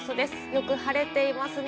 よく晴れていますね。